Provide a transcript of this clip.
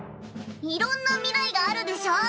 いろんなみらいがあるでしょう！？